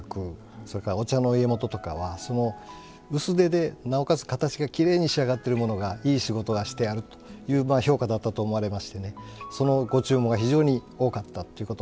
それからお茶の家元とかは薄手でなおかつ形がきれいに仕上がってるものがいい仕事がしてあるという評価だったと思われましてそのご注文が非常に多かったということでそれが特徴になってますね。